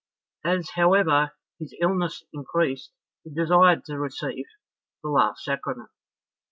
As, however, his illness increased, he desired to receive the last sacrament.